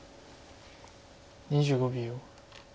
２５秒。